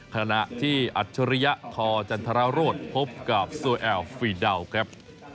ขณะที่อัตโชริยะคจันทราโรดพบกับซวยแอลฟรีดาวครับ